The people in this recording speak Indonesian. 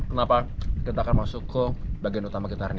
kenapa kita akan masuk ke bagian utama kita hari ini